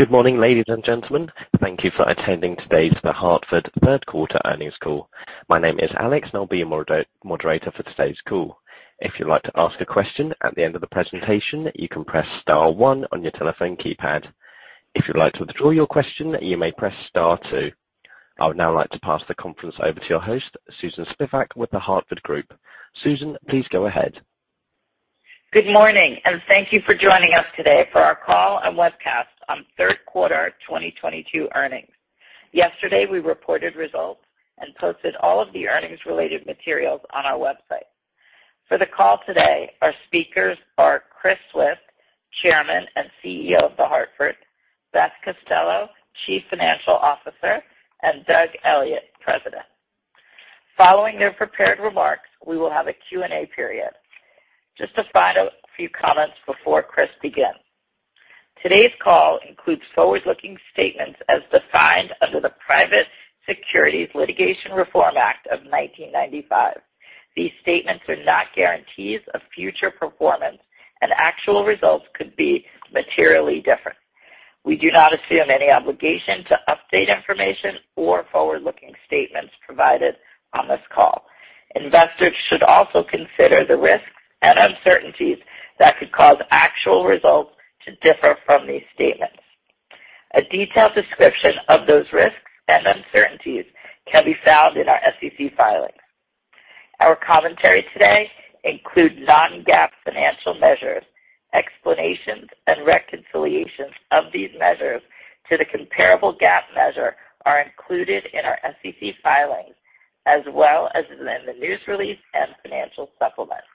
Good morning, ladies and gentlemen. Thank you for attending today's The Hartford third quarter earnings call. My name is Alex and I'll be your moderator for today's call. If you'd like to ask a question at the end of the presentation, you can press star one on your telephone keypad. If you'd like to withdraw your question, you may press star two. I would now like to pass the conference over to your host, Susan Spivak, with The Hartford Insurance Group. Susan, please go ahead. Good morning, and thank you for joining us today for our call and webcast on third quarter 2022 earnings. Yesterday, we reported results and posted all of the earnings related materials on our website. For the call today, our speakers are Chris Swift, Chairman and CEO of The Hartford, Beth Costello, Chief Financial Officer, and Doug Elliot, President. Following their prepared remarks, we will have a Q&A period. Just a final few comments before Chris begins. Today's call includes forward-looking statements as defined under the Private Securities Litigation Reform Act of 1995. These statements are not guarantees of future performance, and actual results could be materially different. We do not assume any obligation to update information or forward-looking statements provided on this call. Investors should also consider the risks and uncertainties that could cause actual results to differ from these statements. A detailed description of those risks and uncertainties can be found in our SEC filings. Our commentary today includes non-GAAP financial measures. Explanations and reconciliations of these measures to the comparable GAAP measure are included in our SEC filings as well as in the news release and financial supplements.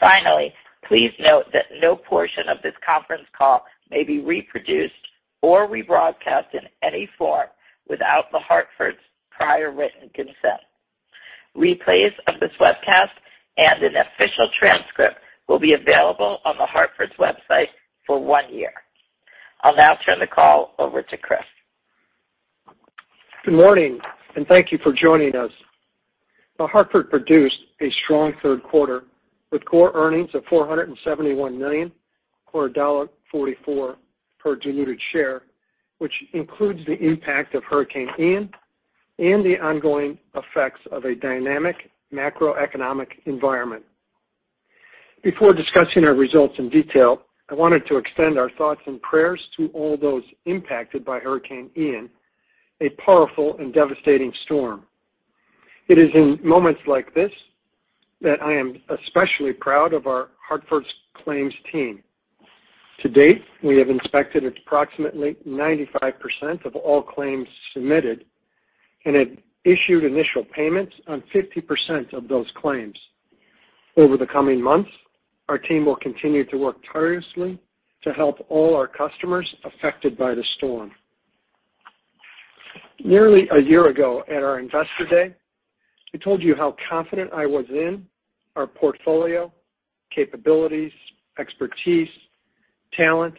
Finally, please note that no portion of this conference call may be reproduced or rebroadcast in any form without The Hartford's prior written consent. Replays of this webcast and an official transcript will be available on The Hartford's website for one year. I'll now turn the call over to Chris. Good morning, and thank you for joining us. The Hartford produced a strong third quarter with core earnings of $471 million or $1.44 per diluted share, which includes the impact of Hurricane Ian and the ongoing effects of a dynamic macroeconomic environment. Before discussing our results in detail, I wanted to extend our thoughts and prayers to all those impacted by Hurricane Ian, a powerful and devastating storm. It is in moments like this that I am especially proud of our Hartford's claims team. To date, we have inspected approximately 95% of all claims submitted and have issued initial payments on 50% of those claims. Over the coming months, our team will continue to work tirelessly to help all our customers affected by the storm. Nearly a year ago at our Investor Day, I told you how confident I was in our portfolio, capabilities, expertise, talent,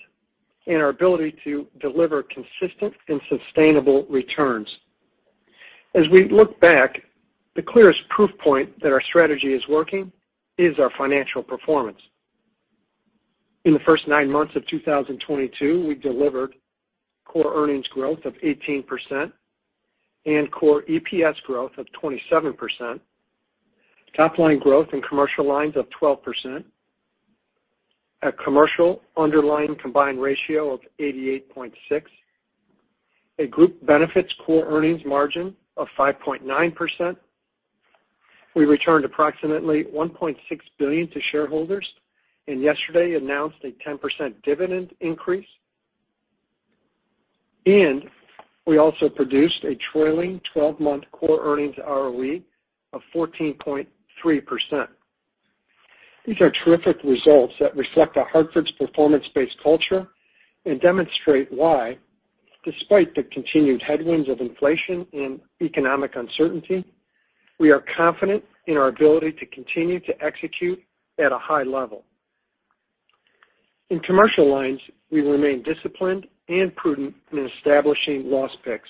and our ability to deliver consistent and sustainable returns. As we look back, the clearest proof point that our strategy is working is our financial performance. In the first nine months of 2022, we delivered core earnings growth of 18% and core EPS growth of 27%, top line growth in commercial lines of 12%, a commercial underlying combined ratio of 88.6, a group benefits core earnings margin of 5.9%. We returned approximately $1.6 billion to shareholders and yesterday announced a 10% dividend increase. We also produced a trailing twelve-month core earnings ROE of 14.3%. These are terrific results that reflect The Hartford's performance-based culture and demonstrate why, despite the continued headwinds of inflation and economic uncertainty, we are confident in our ability to continue to execute at a high level. In commercial lines, we remain disciplined and prudent in establishing loss picks.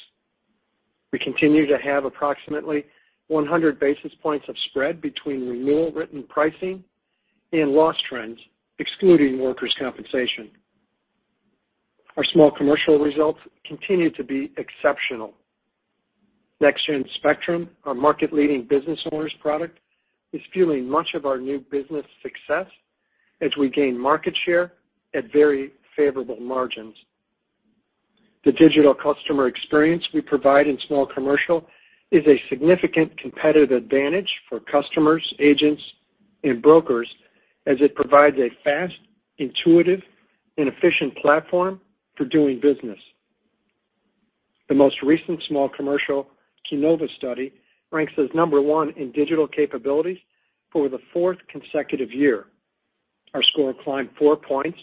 We continue to have approximately 100 basis points of spread between renewal written pricing and loss trends, excluding workers' compensation. Our small commercial results continue to be exceptional. Next Gen Spectrum, our market-leading business owners product, is fueling much of our new business success as we gain market share at very favorable margins. The digital customer experience we provide in small commercial is a significant competitive advantage for customers, agents, and brokers as it provides a fast, intuitive, and efficient platform for doing business. The most recent small commercial Keynova study ranks us number one in digital capabilities for the fourth consecutive year. Our score climbed four points,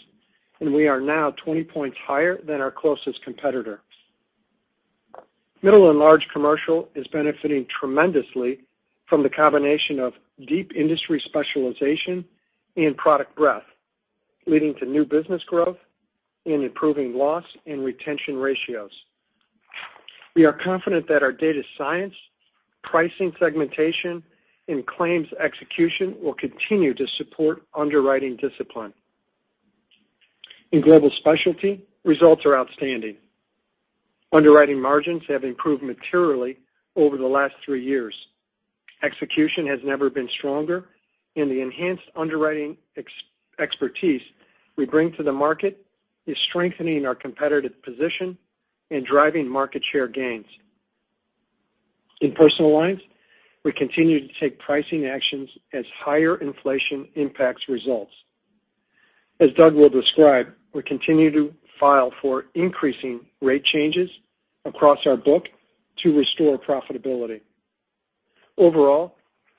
and we are now 20 points higher than our closest competitor. Middle and large commercial is benefiting tremendously from the combination of deep industry specialization and product breadth, leading to new business growth and improving loss and retention ratios. We are confident that our data science, pricing segmentation, and claims execution will continue to support underwriting discipline. In global specialty, results are outstanding. Underwriting margins have improved materially over the last three years. Execution has never been stronger, and the enhanced underwriting expertise we bring to the market is strengthening our competitive position and driving market share gains. In personal lines, we continue to take pricing actions as higher inflation impacts results. As Doug will describe, we continue to file for increasing rate changes across our book to restore profitability. Overall,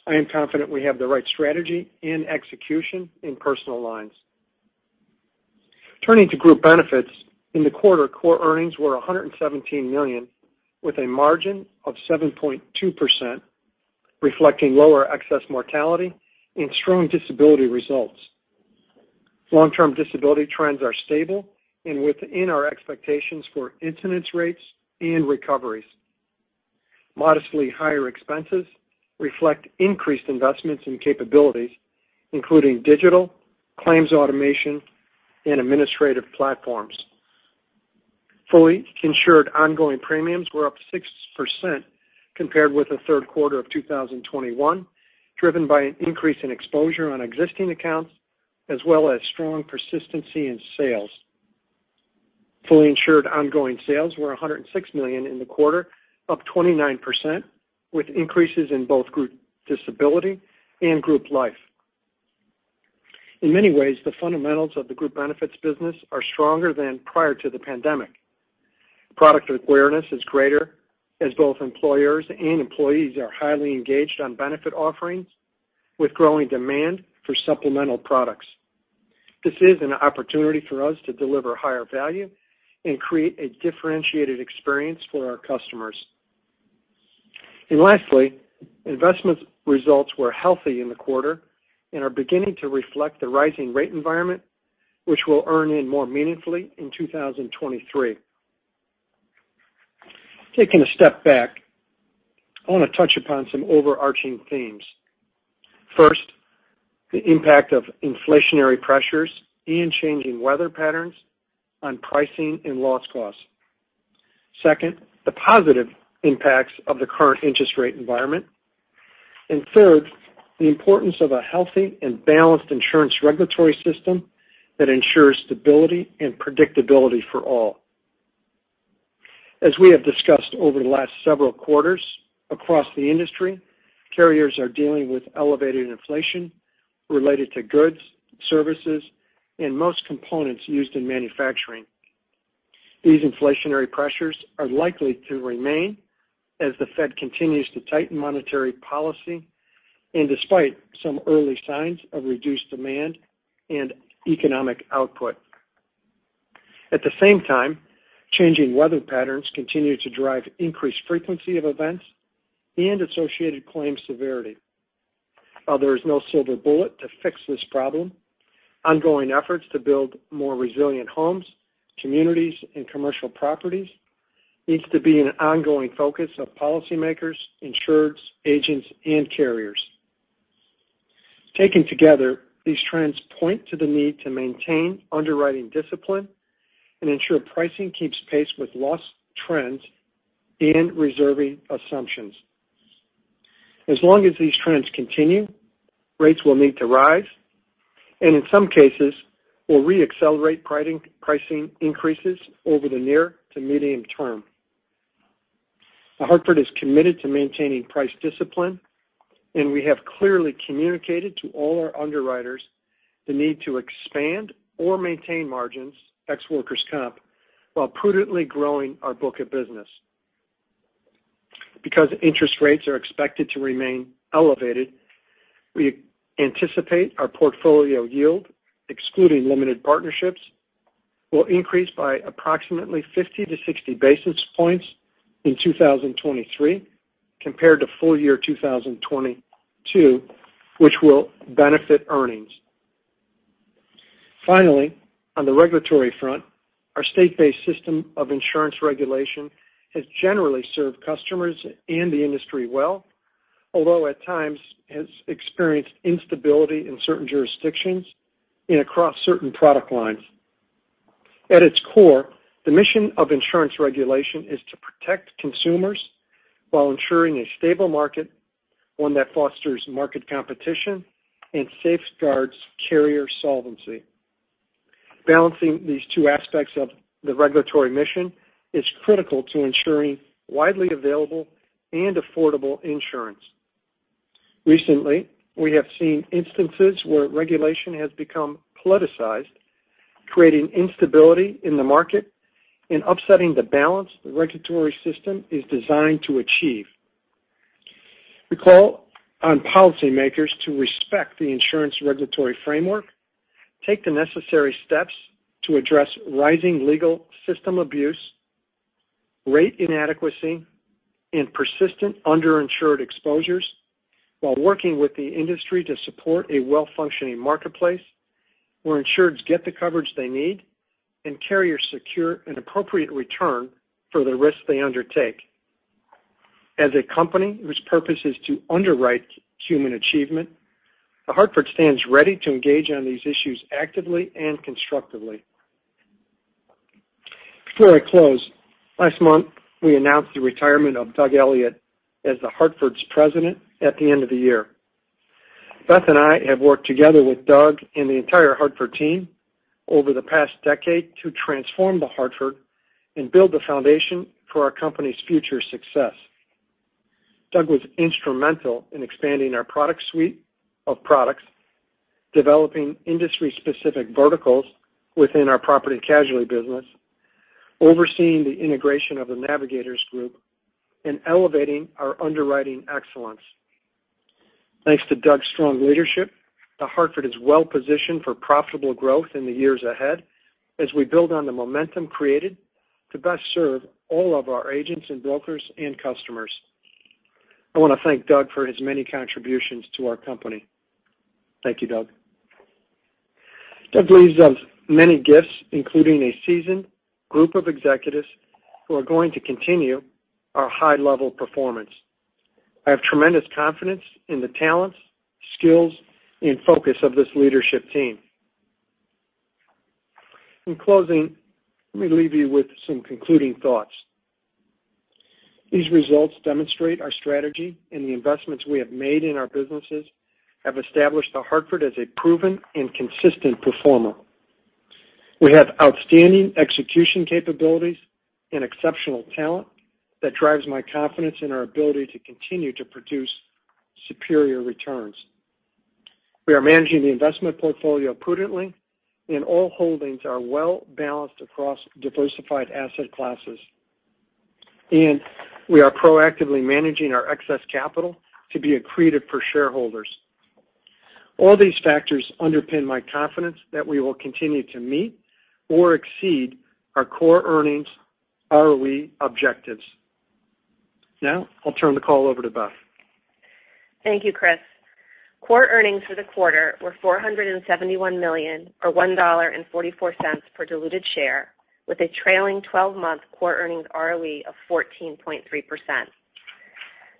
I am confident we have the right strategy and execution in personal lines. Turning to group benefits, in the quarter, core earnings were $117 million, with a margin of 7.2%, reflecting lower excess mortality and strong disability results. Long-term disability trends are stable and within our expectations for incidence rates and recoveries. Modestly higher expenses reflect increased investments and capabilities, including digital claims automation and administrative platforms. Fully insured ongoing premiums were up 6% compared with the third quarter of 2021, driven by an increase in exposure on existing accounts as well as strong persistency in sales. Fully insured ongoing sales were $106 million in the quarter, up 29%, with increases in both group disability and group life. In many ways, the fundamentals of the group benefits business are stronger than prior to the pandemic. Product awareness is greater as both employers and employees are highly engaged on benefit offerings with growing demand for supplemental products. This is an opportunity for us to deliver higher value and create a differentiated experience for our customers. Lastly, investment results were healthy in the quarter and are beginning to reflect the rising rate environment, which we'll earn in more meaningfully in 2023. Taking a step back, I wanna touch upon some overarching themes. First, the impact of inflationary pressures and changing weather patterns on pricing and loss costs. Second, the positive impacts of the current interest rate environment. Third, the importance of a healthy and balanced insurance regulatory system that ensures stability and predictability for all. As we have discussed over the last several quarters, across the industry, carriers are dealing with elevated inflation related to goods, services, and most components used in manufacturing. These inflationary pressures are likely to remain as the Fed continues to tighten monetary policy and despite some early signs of reduced demand and economic output. At the same time, changing weather patterns continue to drive increased frequency of events and associated claim severity. While there is no silver bullet to fix this problem, ongoing efforts to build more resilient homes, communities, and commercial properties needs to be an ongoing focus of policymakers, insureds, agents, and carriers. Taken together, these trends point to the need to maintain underwriting discipline and ensure pricing keeps pace with loss trends and reserving assumptions. As long as these trends continue, rates will need to rise and, in some cases, will re-accelerate pricing increases over the near to medium term. The Hartford is committed to maintaining price discipline, and we have clearly communicated to all our underwriters the need to expand or maintain margins, ex workers comp, while prudently growing our book of business. Because interest rates are expected to remain elevated, we anticipate our portfolio yield, excluding limited partnerships, will increase by approximately 50-60 basis points in 2023 compared to full year 2022, which will benefit earnings. Finally, on the regulatory front, our state-based system of insurance regulation has generally served customers and the industry well, although at times has experienced instability in certain jurisdictions and across certain product lines. At its core, the mission of insurance regulation is to protect consumers while ensuring a stable market, one that fosters market competition and safeguards carrier solvency. Balancing these two aspects of the regulatory mission is critical to ensuring widely available and affordable insurance. Recently, we have seen instances where regulation has become politicized, creating instability in the market and upsetting the balance the regulatory system is designed to achieve. We call on policymakers to respect the insurance regulatory framework, take the necessary steps to address rising legal system abuse, rate inadequacy and persistent underinsured exposures while working with the industry to support a well-functioning marketplace where insureds get the coverage they need and carriers secure an appropriate return for the risks they undertake. As a company whose purpose is to underwrite human achievement, The Hartford stands ready to engage on these issues actively and constructively. Before I close, last month, we announced the retirement of Doug Elliot as The Hartford's president at the end of the year. Beth and I have worked together with Doug and the entire Hartford team over the past decade to transform The Hartford and build the foundation for our company's future success. Doug was instrumental in expanding our product suite of products, developing industry-specific verticals within our property casualty business, overseeing the integration of the Navigators Group, and elevating our underwriting excellence. Thanks to Doug's strong leadership, The Hartford is well-positioned for profitable growth in the years ahead as we build on the momentum created to best serve all of our agents and brokers and customers. I wanna thank Doug for his many contributions to our company. Thank you, Doug. Doug leaves us many gifts, including a seasoned group of executives who are going to continue our high level of performance. I have tremendous confidence in the talents, skills, and focus of this leadership team. In closing, let me leave you with some concluding thoughts. These results demonstrate our strategy, and the investments we have made in our businesses have established The Hartford as a proven and consistent performer. We have outstanding execution capabilities and exceptional talent that drives my confidence in our ability to continue to produce superior returns. We are managing the investment portfolio prudently, and all holdings are well-balanced across diversified asset classes, and we are proactively managing our excess capital to be accretive for shareholders. All these factors underpin my confidence that we will continue to meet or exceed our core earnings ROE objectives. Now, I'll turn the call over to Beth. Thank you, Chris. Core earnings for the quarter were $471 million, or $1.44 per diluted share, with a trailing 12-month core earnings ROE of 14.3%.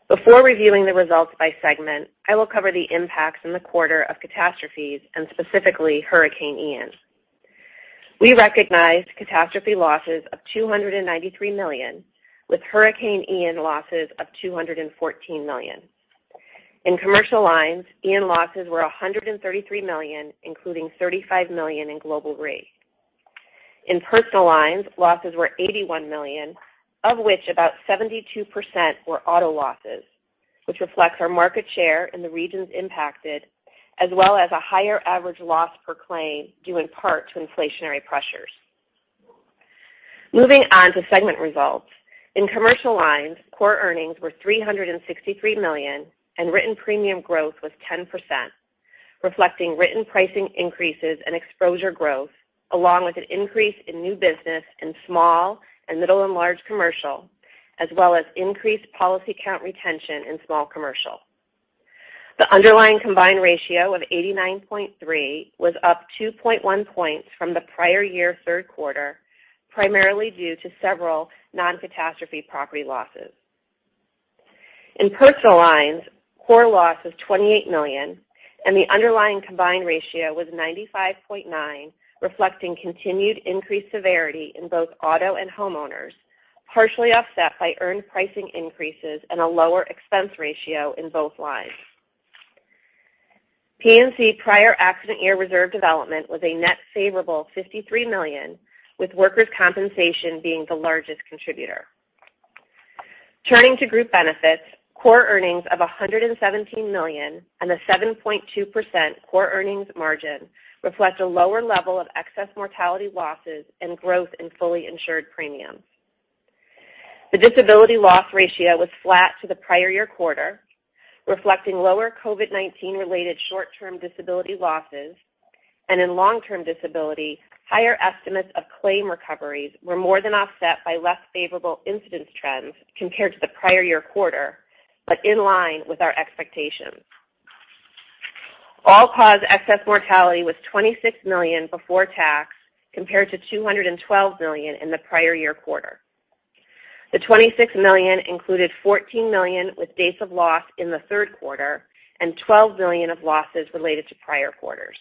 Before reviewing the results by segment, I will cover the impacts in the quarter of catastrophes and specifically Hurricane Ian. We recognized catastrophe losses of $293 million, with Hurricane Ian losses of $214 million. In commercial lines, Ian losses were $133 million, including $35 million in Global Re. In personal lines, losses were $81 million, of which about 72% were auto losses, which reflects our market share in the regions impacted, as well as a higher average loss per claim, due in part to inflationary pressures. Moving on to segment results. In commercial lines, core earnings were $363 million, and written premium growth was 10%, reflecting written pricing increases and exposure growth, along with an increase in new business in small and middle and large commercial, as well as increased policy count retention in small commercial. The underlying combined ratio of 89.3 was up 2.1 points from the prior year third quarter, primarily due to several non-catastrophe property losses. In personal lines, core loss of $28 million and the underlying combined ratio was 95.9, reflecting continued increased severity in both auto and homeowners, partially offset by earned pricing increases and a lower expense ratio in both lines. P&C prior accident year reserve development was a net favorable $53 million, with workers' compensation being the largest contributor. Turning to group benefits, core earnings of $117 million and a 7.2% core earnings margin reflect a lower level of excess mortality losses and growth in fully insured premiums. The disability loss ratio was flat to the prior year quarter, reflecting lower COVID-19 related short-term disability losses, and in long-term disability, higher estimates of claim recoveries were more than offset by less favorable incidence trends compared to the prior year quarter, but in line with our expectations. All-cause excess mortality was $26 million before tax, compared to $212 million in the prior year quarter. The $26 million included $14 million with dates of loss in the third quarter and $12 million of losses related to prior quarters.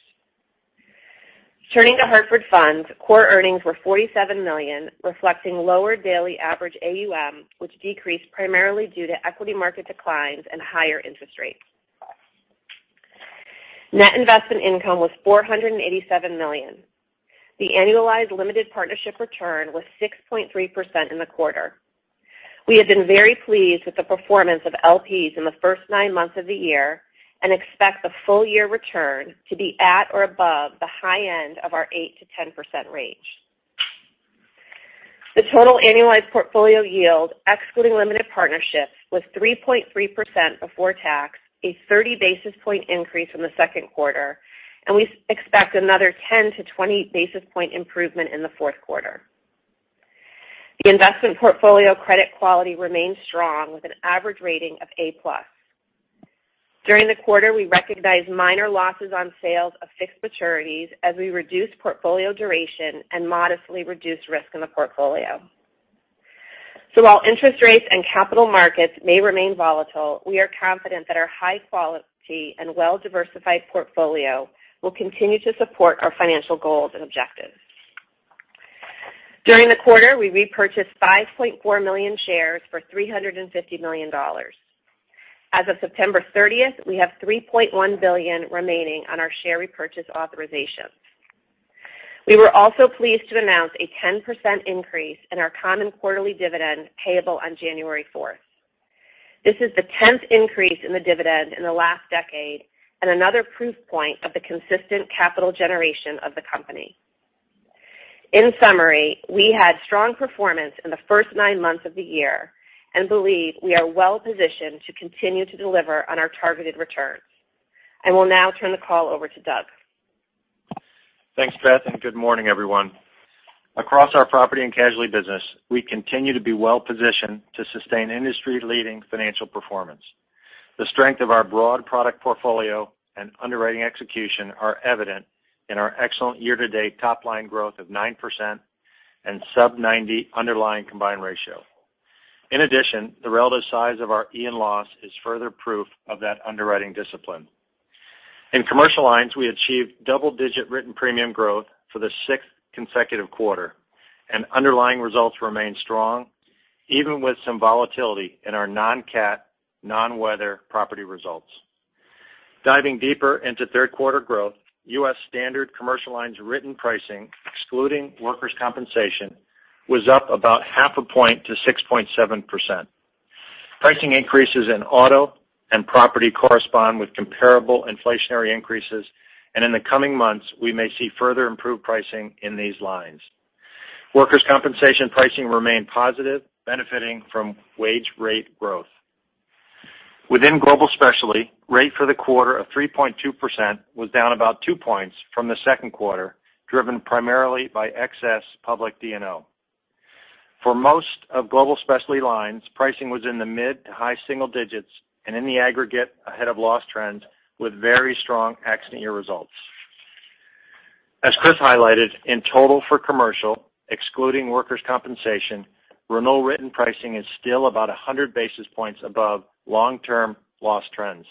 Turning to Hartford Funds, core earnings were $47 million, reflecting lower daily average AUM, which decreased primarily due to equity market declines and higher interest rates. Net investment income was $487 million. The annualized limited partnership return was 6.3% in the quarter. We have been very pleased with the performance of LPs in the first nine months of the year and expect the full year return to be at or above the high end of our 8%-10% range. The total annualized portfolio yield, excluding limited partnerships, was 3.3% before tax, a 30 basis point increase from the second quarter, and we expect another 10-20 basis point improvement in the fourth quarter. The investment portfolio credit quality remains strong with an average rating of A-plus. During the quarter, we recognized minor losses on sales of fixed maturities as we reduced portfolio duration and modestly reduced risk in the portfolio. While interest rates and capital markets may remain volatile, we are confident that our high quality and well-diversified portfolio will continue to support our financial goals and objectives. During the quarter, we repurchased 5.4 million shares for $350 million. As of September 30th, we have $3.1 billion remaining on our share repurchase authorizations. We were also pleased to announce a 10% increase in our common quarterly dividend payable on January 4. This is the 10th increase in the dividend in the last decade, and another proof point of the consistent capital generation of the company. In summary, we had strong performance in the first nine months of the year and believe we are well-positioned to continue to deliver on our targeted returns. I will now turn the call over to Doug. Thanks, Beth, and good morning, everyone. Across our property and casualty business, we continue to be well-positioned to sustain industry-leading financial performance. The strength of our broad product portfolio and underwriting execution are evident in our excellent year-to-date top line growth of 9% and sub-90 underlying combined ratio. In addition, the relative size of our E&S loss is further proof of that underwriting discipline. In Commercial Lines, we achieved double-digit written premium growth for the 6th consecutive quarter, and underlying results remain strong, even with some volatility in our non-cat, non-weather property results. Diving deeper into third quarter growth, U.S. Standard Commercial Lines written pricing, excluding workers' compensation, was up about half a point to 6.7%. Pricing increases in auto and property correspond with comparable inflationary increases, and in the coming months, we may see further improved pricing in these lines. Workers' compensation pricing remained positive, benefiting from wage rate growth. Within Global Specialty, rate for the quarter of 3.2% was down about two points from the second quarter, driven primarily by excess public D&O. For most of Global Specialty lines, pricing was in the mid to high single digits and in the aggregate ahead of loss trends with very strong accident year results. As Chris highlighted, in total for Commercial, excluding workers' compensation, renewal written pricing is still about 100 basis points above long-term loss trends.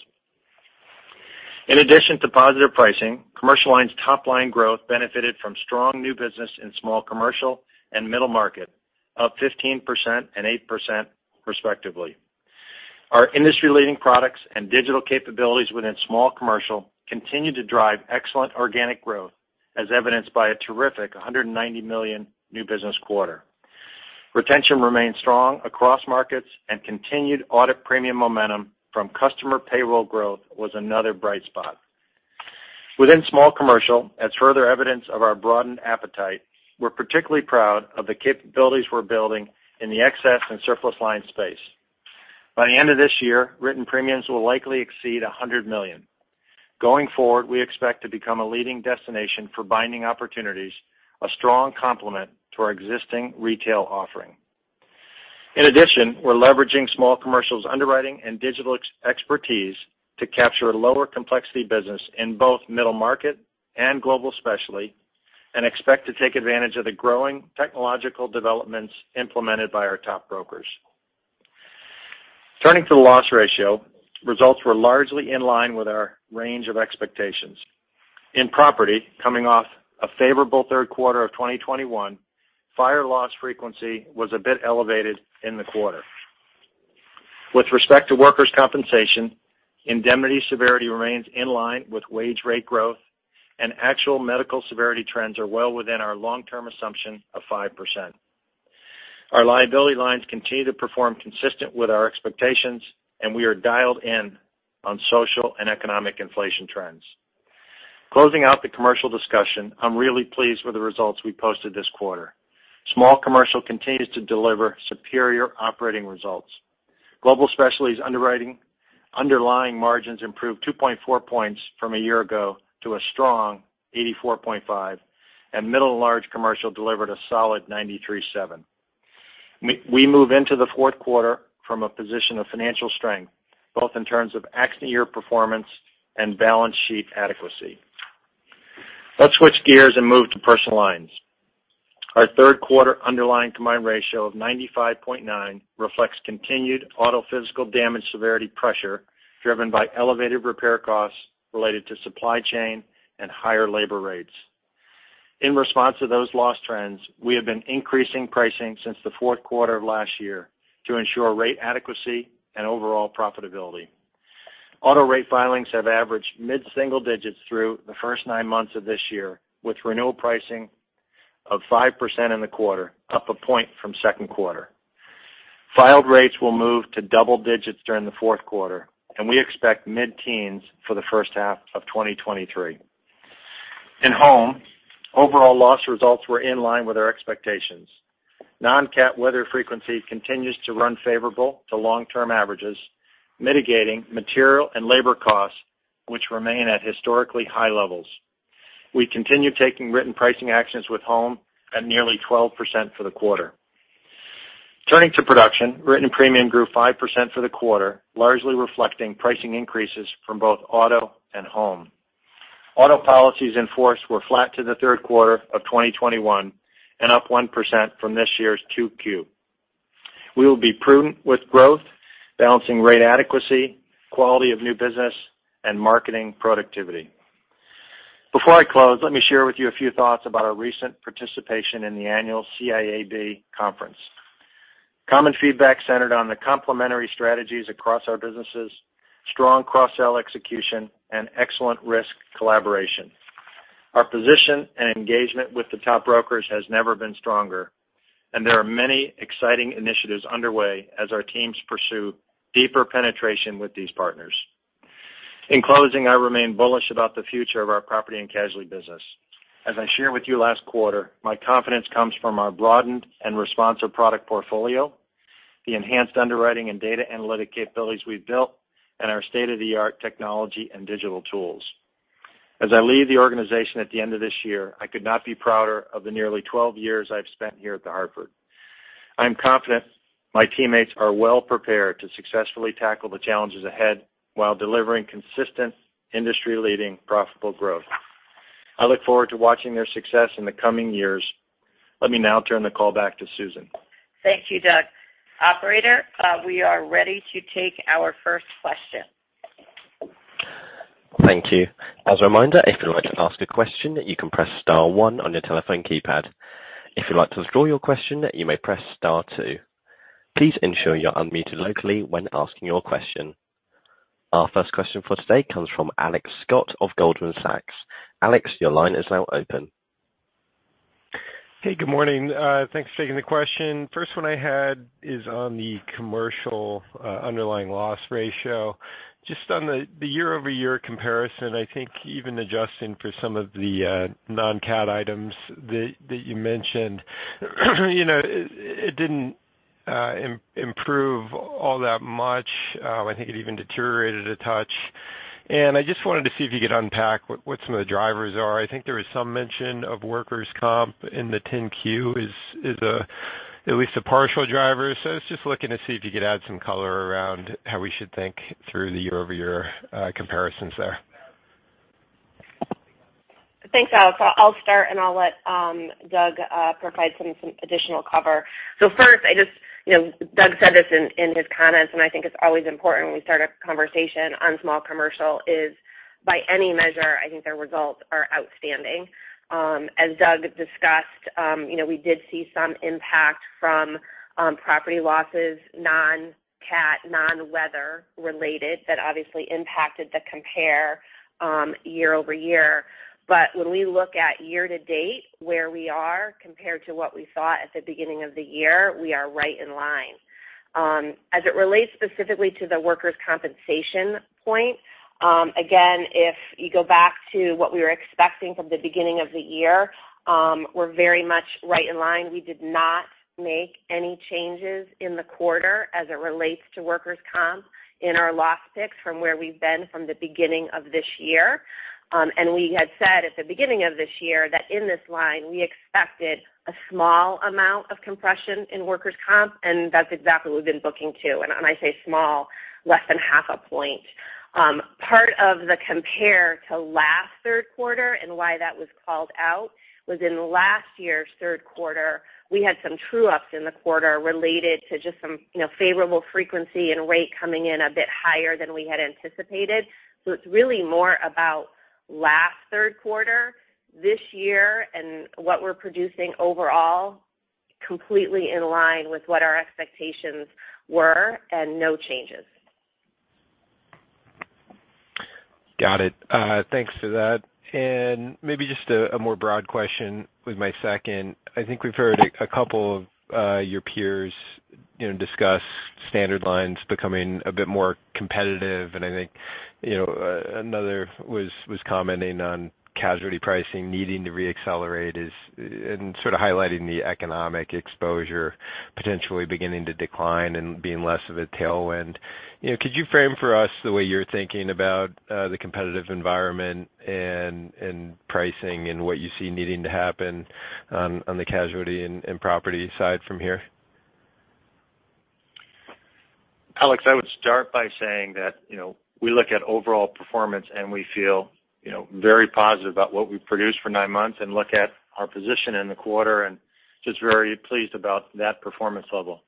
In addition to positive pricing, Commercial Lines' top-line growth benefited from strong new business in small commercial and middle market, up 15% and 8% respectively. Our industry-leading products and digital capabilities within small commercial continue to drive excellent organic growth, as evidenced by a terrific $190 million new business quarter. Retention remained strong across markets and continued audit premium momentum from customer payroll growth was another bright spot. Within small commercial, as further evidence of our broadened appetite, we're particularly proud of the capabilities we're building in the excess and surplus line space. By the end of this year, written premiums will likely exceed $100 million. Going forward, we expect to become a leading destination for binding opportunities, a strong complement to our existing retail offering. In addition, we're leveraging small commercial's underwriting and digital expertise to capture lower complexity business in both middle market and global specialty and expect to take advantage of the growing technological developments implemented by our top brokers. Turning to the loss ratio, results were largely in line with our range of expectations. In property, coming off a favorable third quarter of 2021, fire loss frequency was a bit elevated in the quarter. With respect to workers' compensation, indemnity severity remains in line with wage rate growth, and actual medical severity trends are well within our long-term assumption of 5%. Our liability lines continue to perform consistent with our expectations, and we are dialed in on social and economic inflation trends. Closing out the commercial discussion, I'm really pleased with the results we posted this quarter. Small Commercial continues to deliver superior operating results. Global Specialty's underwriting underlying margins improved 2.4 points from a year ago to a strong 84.5%, and Middle and Large Commercial delivered a solid 93.7%. We move into the fourth quarter from a position of financial strength, both in terms of accident year performance and balance sheet adequacy. Let's switch gears and move to personal lines. Our third quarter underlying combined ratio of 95.9 reflects continued auto physical damage severity pressure driven by elevated repair costs related to supply chain and higher labor rates. In response to those loss trends, we have been increasing pricing since the fourth quarter of last year to ensure rate adequacy and overall profitability. Auto rate filings have averaged mid-single digits through the first nine months of this year, with renewal pricing of 5% in the quarter, up a point from second quarter. Filed rates will move to double digits during the fourth quarter, and we expect mid-teens for the first half of 2023. In Home, overall loss results were in line with our expectations. Non-cat weather frequency continues to run favorable to long-term averages, mitigating material and labor costs, which remain at historically high levels. We continue taking written pricing actions with home at nearly 12% for the quarter. Turning to production, written premium grew 5% for the quarter, largely reflecting pricing increases from both auto and home. Auto policies in force were flat to the third quarter of 2021 and up 1% from this year's 2Q. We will be prudent with growth, balancing rate adequacy, quality of new business, and marketing productivity. Before I close, let me share with you a few thoughts about our recent participation in the annual CIAB conference. Common feedback centered on the complementary strategies across our businesses, strong cross-sell execution, and excellent risk collaboration. Our position and engagement with the top brokers has never been stronger, and there are many exciting initiatives underway as our teams pursue deeper penetration with these partners. In closing, I remain bullish about the future of our property and casualty business. As I shared with you last quarter, my confidence comes from our broadened and responsive product portfolio, the enhanced underwriting and data analytic capabilities we've built, and our state-of-the-art technology and digital tools. As I leave the organization at the end of this year, I could not be prouder of the nearly 12 years I've spent here at The Hartford. I'm confident my teammates are well prepared to successfully tackle the challenges ahead while delivering consistent, industry-leading profitable growth. I look forward to watching their success in the coming years. Let me now turn the call back to Susan. Thank you, Doug. Operator, we are ready to take our first question. Thank you. As a reminder, if you'd like to ask a question, you can press star one on your telephone keypad. If you'd like to withdraw your question, you may press star two. Please ensure you're unmuted locally when asking your question. Our first question for today comes from Alex Scott of Goldman Sachs. Alex, your line is now open. Hey, good morning. Thanks for taking the question. First one I had is on the commercial underlying loss ratio. Just on the year-over-year comparison, I think even adjusting for some of the non-cat items that you mentioned, you know, it didn't improve all that much. I think it even deteriorated a touch. I just wanted to see if you could unpack what some of the drivers are. I think there was some mention of workers' comp in the 10-Q is at least a partial driver. So I was just looking to see if you could add some color around how we should think through the year-over-year comparisons there. Thanks, Alex. I'll start, and I'll let Doug provide some additional cover. You know, Doug said this in his comments, and I think it's always important when we start a conversation on small commercial, is, by any measure, I think their results are outstanding. As Doug discussed, you know, we did see some impact from property losses, non-cat, non-weather related that obviously impacted the compare year over year. But when we look at year to date, where we are compared to what we saw at the beginning of the year, we are right in line. As it relates specifically to the workers' compensation point, again, if you go back to what we were expecting from the beginning of the year, we're very much right in line. We did not make any changes in the quarter as it relates to workers' comp in our loss picks from where we've been from the beginning of this year. We had said at the beginning of this year that in this line, we expected a small amount of compression in workers' comp, and that's exactly what we've been booking to. When I say small, less than half a point. Part of the comparison to last year's third quarter and why that was called out was in last year's third quarter, we had some true ups in the quarter related to just some, you know, favorable frequency and rate coming in a bit higher than we had anticipated. It's really more about last year's third quarter this year, and what we're producing overall, completely in line with what our expectations were and no changes. Got it. Thanks for that. Maybe just a more broad question with my second. I think we've heard a couple of your peers, you know, discuss standard lines becoming a bit more competitive. I think, you know, another was commenting on casualty pricing needing to re-accelerate, and sort of highlighting the economic exposure potentially beginning to decline and being less of a tailwind. You know, could you frame for us the way you're thinking about the competitive environment and pricing and what you see needing to happen on the casualty and property side from here? Alex, I would start by saying that, you know, we look at overall performance, and we feel, you know, very positive about what we've produced for nine months and look at our position in the quarter and just very pleased about that performance level.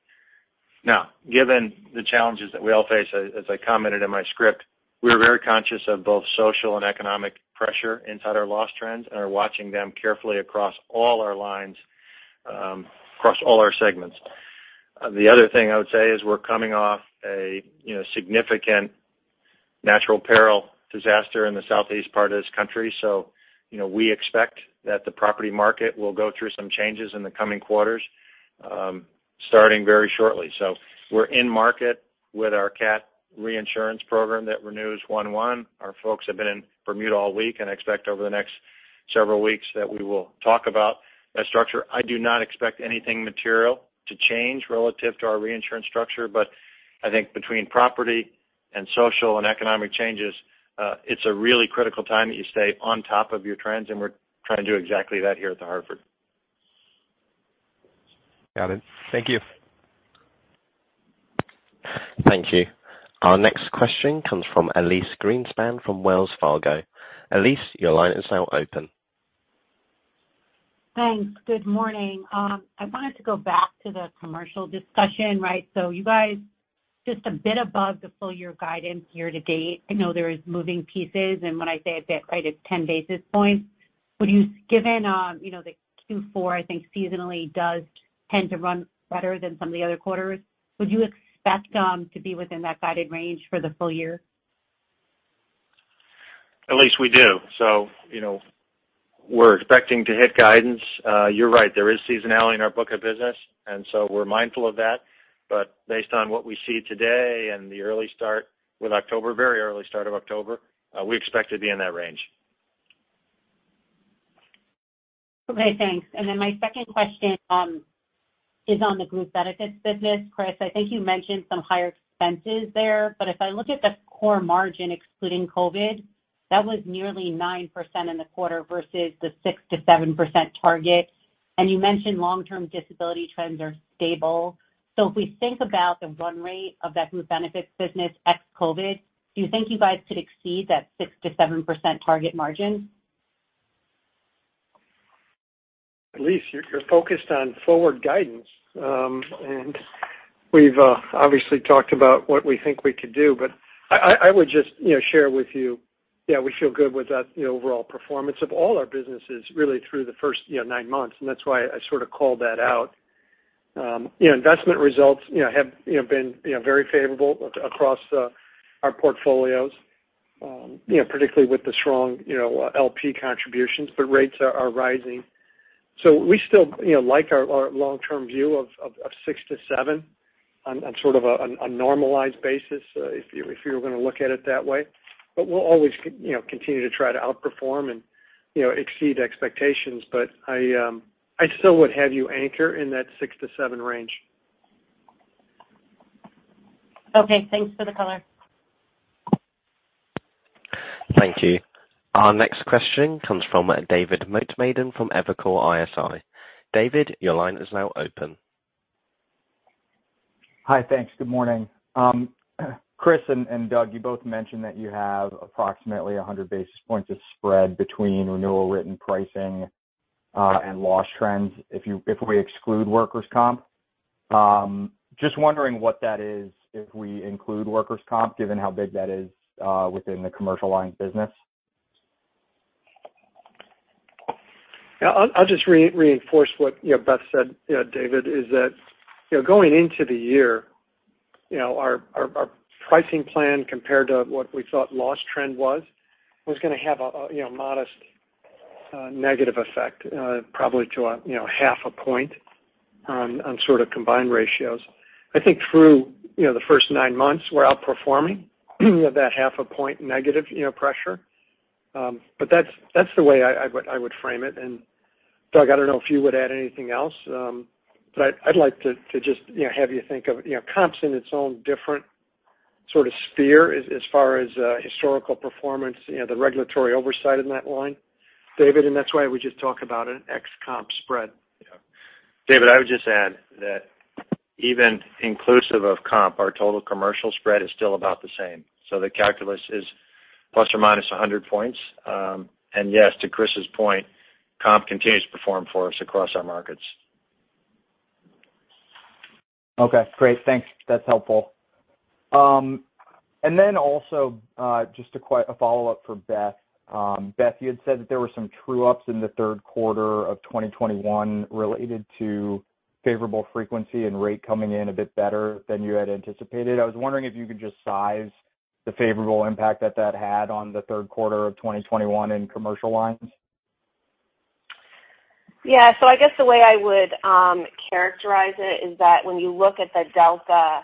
Now, given the challenges that we all face, as I commented in my script, we're very conscious of both social and economic pressure inside our loss trends and are watching them carefully across all our lines, across all our segments. The other thing I would say is we're coming off a, you know, significant natural peril disaster in the southeast part of this country. We expect that the property market will go through some changes in the coming quarters, starting very shortly. We're in market with our cat reinsurance program that renews 1/1. Our folks have been in Bermuda all week, and I expect over the next several weeks that we will talk about that structure. I do not expect anything material to change relative to our reinsurance structure, but I think between property and social and economic changes, it's a really critical time that you stay on top of your trends, and we're trying to do exactly that here at The Hartford. Got it. Thank you. Thank you. Our next question comes from Elyse Greenspan from Wells Fargo. Elyse, your line is now open. Thanks. Good morning. I wanted to go back to the commercial discussion, right? You guys just a bit above the full year guidance year to date. I know there is moving pieces, and when I say a bit, right, it's 10 basis points. Given you know the Q4, I think seasonally does tend to run better than some of the other quarters, would you expect to be within that guided range for the full year? Elyse, we do. You know, we're expecting to hit guidance. You're right, there is seasonality in our book of business, and so we're mindful of that. Based on what we see today and the early start with October, very early start of October, we expect to be in that range. Okay, thanks. My second question is on the group benefits business. Chris, I think you mentioned some higher expenses there, but if I look at the core margin excluding COVID, that was nearly 9% in the quarter versus the 6%-7% target. You mentioned long-term disability trends are stable. If we think about the run rate of that group benefits business ex-COVID, do you think you guys could exceed that 6%-7% target margin? Elyse, you're focused on forward guidance, and we've obviously talked about what we think we could do, but I would just, you know, share with you, yeah, we feel good with that, you know, overall performance of all our businesses really through the first, you know, nine months, and that's why I sort of called that out. You know, investment results have been very favorable across our portfolios, you know, particularly with the strong, you know, LP contributions, but rates are rising. We still, you know, like our long-term view of 6%-7% on sort of a normalized basis if you're gonna look at it that way. But we'll always continue to try to outperform and, you know, exceed expectations. I still would have you anchor in that 6-7 range. Okay, thanks for the color. Thank you. Our next question comes from David Motemaden from Evercore ISI. David, your line is now open. Hi. Thanks. Good morning. Chris and Doug, you both mentioned that you have approximately 100 basis points of spread between renewal written pricing and loss trends if we exclude workers' comp. Just wondering what that is if we include workers' comp, given how big that is within the commercial line business. Yeah, I'll just reinforce what, you know, Beth said, David, is that, you know, going into the year, you know, our pricing plan compared to what we thought loss trend was gonna have a, you know, modest negative effect, probably to a, you know, half a point on sort of combined ratios. I think through, you know, the first nine months we're outperforming that half a point negative, you know, pressure. But that's the way I would frame it. Doug, I don't know if you would add anything else. I'd like to just, you know, have you think of, you know, comps in its own different sort of sphere as far as historical performance, you know, the regulatory oversight in that line, David, and that's why we just talk about an ex-comps spread. Yeah, David, I would just add that even inclusive of comp, our total commercial spread is still about the same. The calculus is ±100 points. Yes, to Chris's point, comp continues to perform for us across our markets. Okay, great. Thanks. That's helpful. Just a follow-up for Beth. Beth, you had said that there were some true ups in the third quarter of 2021 related to favorable frequency and rate coming in a bit better than you had anticipated. I was wondering if you could just size the favorable impact that that had on the third quarter of 2021 in commercial lines. Yeah. I guess the way I would characterize it is that when you look at the delta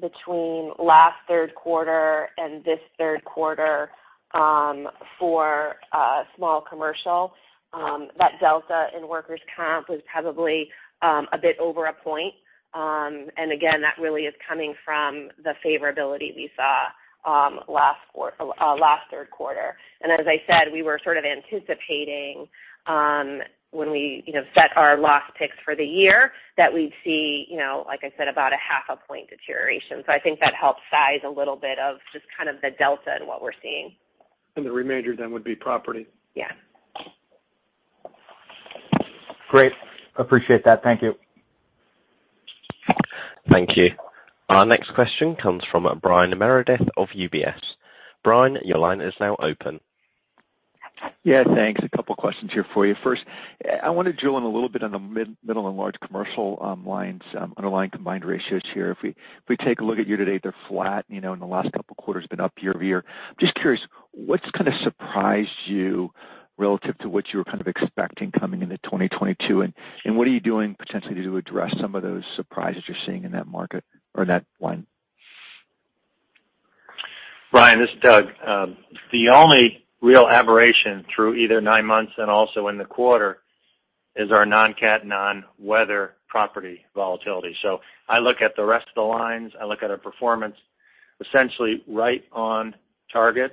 between last third quarter and this third quarter for small commercial, that delta in workers' comp was probably a bit over a point. And again, that really is coming from the favorability we saw last third quarter. As I said, we were sort of anticipating when we you know set our loss picks for the year that we'd see you know like I said about a half a point deterioration. I think that helps size a little bit of just kind of the delta in what we're seeing. The remainder then would be property. Yeah. Great. Appreciate that. Thank you. Thank you. Our next question comes from Brian Meredith of UBS. Brian, your line is now open. Yeah, thanks. A couple questions here for you. First, I want to drill in a little bit on the middle and large commercial lines underlying combined ratios here. If we take a look at year to date, they're flat, you know, in the last couple of quarters been up year-over-year. Just curious, what's kind of surprised you relative to what you were kind of expecting coming into 2022, and what are you doing potentially to address some of those surprises you're seeing in that market or in that line? Brian, this is Doug. The only real aberration through the first nine months and also in the quarter is our non-cat, non-weather property volatility. I look at the rest of the lines, I look at our performance essentially right on target.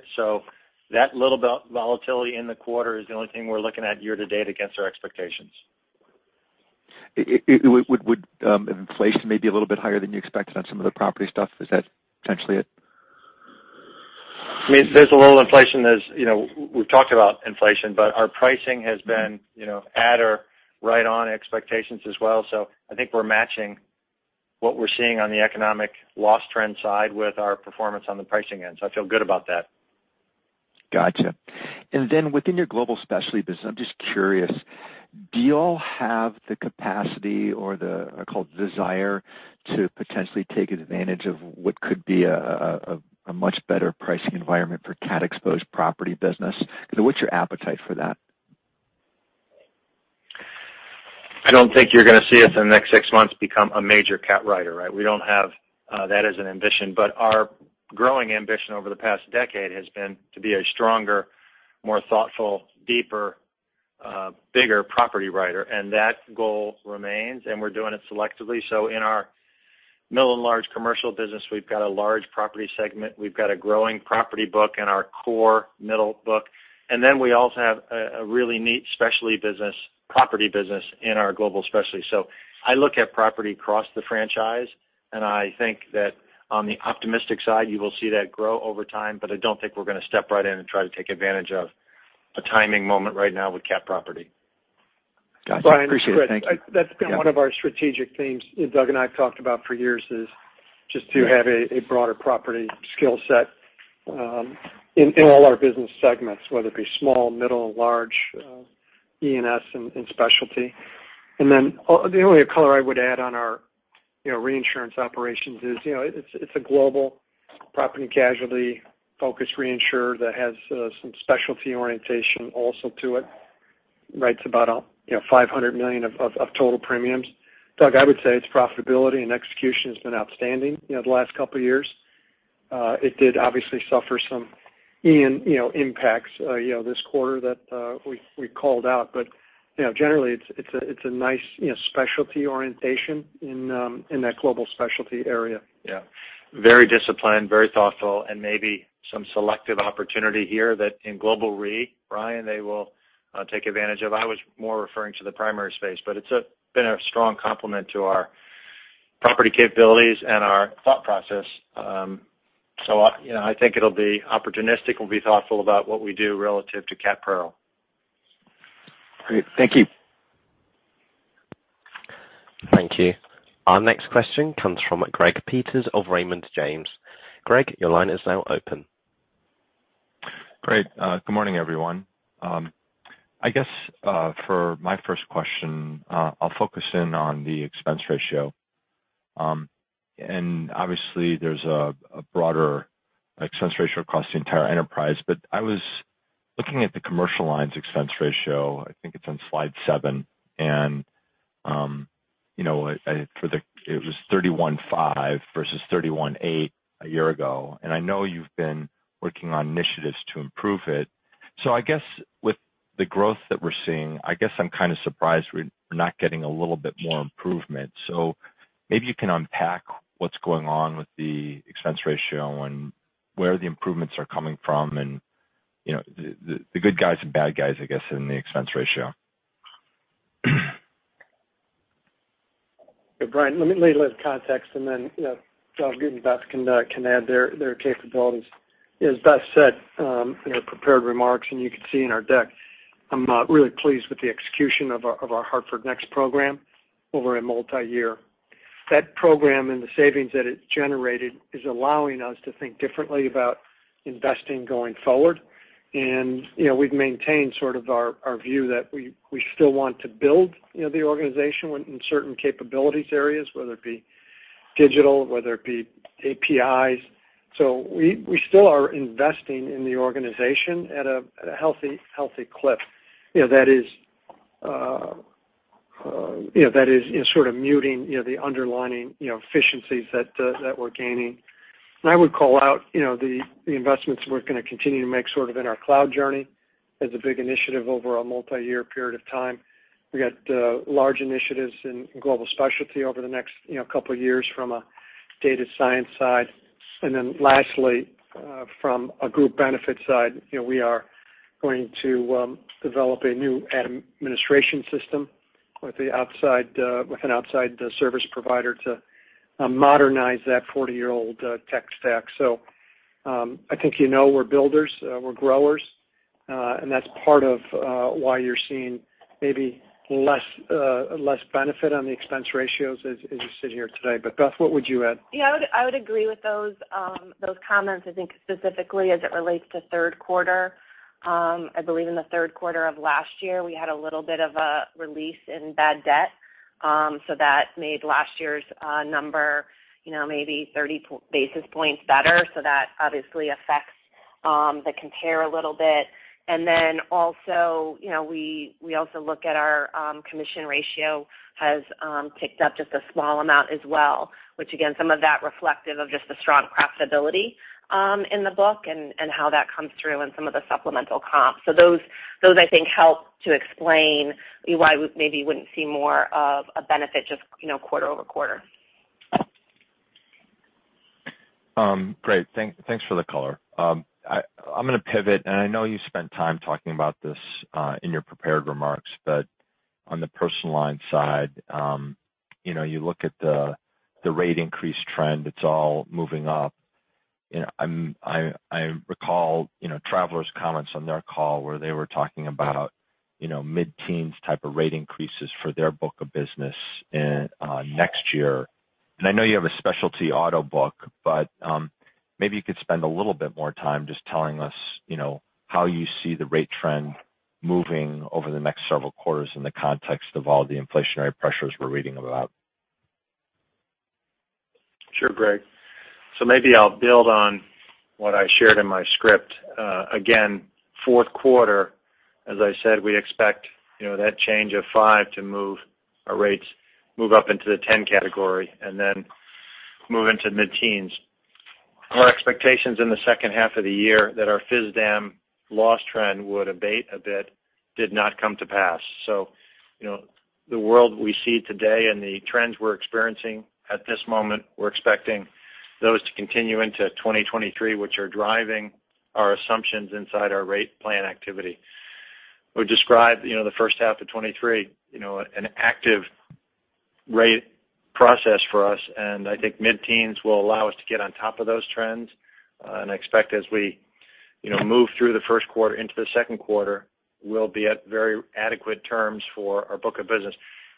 That little bit volatility in the quarter is the only thing we're looking at year-to-date against our expectations. Inflation may be a little bit higher than you expected on some of the property stuff. Is that potentially it? I mean, there's a little inflation as, you know, we've talked about inflation, but our pricing has been, you know, at or right on expectations as well. I think we're matching what we're seeing on the economic loss trend side with our performance on the pricing end. I feel good about that. Gotcha. Then within your global specialty business, I'm just curious, do y'all have the capacity or the, I call it, desire to potentially take advantage of what could be a much better pricing environment for cat-exposed property business? What's your appetite for that? I don't think you're gonna see us in the next six months become a major cat writer, right? We don't have that as an ambition. Our growing ambition over the past decade has been to be a stronger, more thoughtful, deeper, bigger property writer, and that goal remains, and we're doing it selectively. In our middle and large commercial business, we've got a large property segment. We've got a growing property book in our core middle book. Then we also have a really neat specialty business, property business in our global specialty. I look at property across the franchise, and I think that on the optimistic side, you will see that grow over time, but I don't think we're gonna step right in and try to take advantage of a timing moment right now with cat property. Gotcha. Appreciate it. Thank you. Brian, that's been one of our strategic themes Doug and I have talked about for years, is just to have a broader property skill set in all our business segments, whether it be small, middle, large, E&S and specialty. The only color I would add on our, you know, reinsurance operations is, you know, it's a global property casualty-focused reinsurer that has some specialty orientation also to it. It writes about a, you know, $500 million of total premiums. Doug, I would say its profitability and execution has been outstanding, you know, the last couple of years. It did obviously suffer some Ian, you know, impacts, you know, this quarter that we called out. You know, generally it's a nice, you know, specialty orientation in that global specialty area. Yeah. Very disciplined, very thoughtful, and maybe some selective opportunity here that in Global Re, Brian, they will take advantage of. I was more referring to the primary space, but it's been a strong complement to our property capabilities and our thought process. You know, I think it'll be opportunistic. We'll be thoughtful about what we do relative to cat pro. Great. Thank you. Thank you. Our next question comes from Greg Peters of Raymond James. Greg, your line is now open. Great. Good morning, everyone. I guess, for my first question, I'll focus in on the expense ratio. Obviously there's a broader expense ratio across the entire enterprise, but I was looking at the commercial lines expense ratio, I think it's on slide 7. It was 31.5% versus 31.8% a year ago. I know you've been working on initiatives to improve it. I guess with the growth that we're seeing, I guess I'm kind of surprised we're not getting a little bit more improvement. Maybe you can unpack what's going on with the expense ratio and where the improvements are coming from and, you know, the good guys and bad guys, I guess, in the expense ratio. Brian, let me lay a little context and then, you know, Doug and Beth can add their capabilities. As Beth said, in our prepared remarks, and you can see in our deck, I'm really pleased with the execution of our Hartford Next program over a multi-year. That program and the savings that it's generated is allowing us to think differently about investing going forward. You know, we've maintained sort of our view that we still want to build, you know, the organization within certain capabilities areas, whether it be digital, whether it be APIs. So we still are investing in the organization at a healthy clip. You know, that is sort of muting, you know, the underlying, you know, efficiencies that we're gaining. I would call out, you know, the investments we're gonna continue to make sort of in our cloud journey as a big initiative over a multi-year period of time. We've got large initiatives in global specialty over the next, you know, couple of years from a data science side. Then lastly, from a group benefit side, you know, we are going to develop a new administration system with an outside service provider to modernize that 40-year-old tech stack. I think you know we're builders, we're growers, and that's part of why you're seeing maybe less benefit on the expense ratios as you sit here today. But Beth, what would you add? Yeah, I would agree with those comments. I think specifically as it relates to third quarter, I believe in the third quarter of last year, we had a little bit of a release in bad debt, so that made last year's number, you know, maybe 30 basis points better, so that obviously affects That compare a little bit. Then also, you know, we also look at our commission ratio has ticked up just a small amount as well, which again, some of that reflective of just the strong profitability in the book and how that comes through in some of the supplemental comps. Those I think help to explain why we maybe wouldn't see more of a benefit just, you know, quarter-over-quarter. Great. Thanks for the color. I'm gonna pivot, and I know you spent time talking about this in your prepared remarks, but on the personal line side, you know, you look at the rate increase trend, it's all moving up. You know, I recall Travelers' comments on their call where they were talking about mid-teens type of rate increases for their book of business next year. I know you have a specialty auto book, but maybe you could spend a little bit more time just telling us how you see the rate trend moving over the next several quarters in the context of all the inflationary pressures we're reading about. Sure, Greg. Maybe I'll build on what I shared in my script. Again, fourth quarter, as I said, we expect, you know, that change of five to move our rates, move up into the 10 category, and then move into mid-teens. Our expectations in the second half of the year that our physical damage loss trend would abate a bit did not come to pass. You know, the world we see today and the trends we're experiencing at this moment, we're expecting those to continue into 2023, which are driving our assumptions inside our rate plan activity. I would describe, you know, the first half of 2023, you know, an active rate process for us, and I think mid-teens will allow us to get on top of those trends. I expect as we, you know, move through the first quarter into the second quarter, we'll be at very adequate terms for our book of business.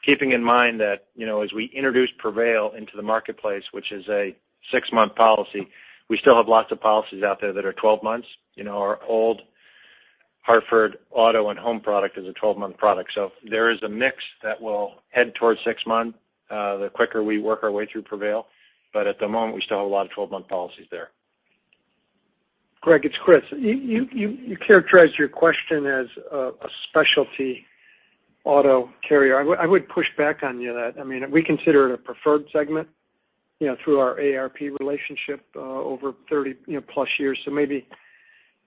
Keeping in mind that, you know, as we introduce Prevail into the marketplace, which is a 6-month policy, we still have lots of policies out there that are 12 months. You know, our old Hartford Auto and Home product is a 12-month product. There is a mix that will head towards 6 months, the quicker we work our way through Prevail. At the moment, we still have a lot of 12-month policies there. Greg, it's Chris. You characterized your question as a specialty auto carrier. I would push back on you that. I mean, we consider it a preferred segment, you know, through our AARP relationship, over 30, you know, plus years. Maybe